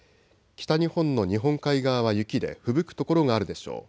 北日本の日本海側は雪でふぶく所があるでしょう。